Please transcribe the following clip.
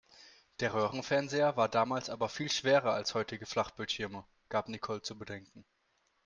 "Der Röhrenfernseher war damals aber viel schwerer als heutige Flachbildschirme", gab Nicole zu bedenken.